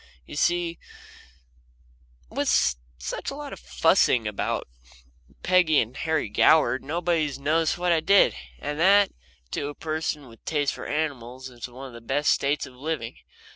You see, with such a lot of fussing about Peggy and Harry Goward, nobody has noticed what I did, and that, to a person with a taste for animals, is one of the best states of living.